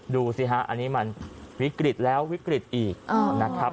ดูสิฮะอันนี้มันวิกฤตแล้ววิกฤตอีกนะครับ